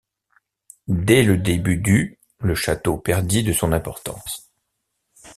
Dès le début du le château perdit de son importance.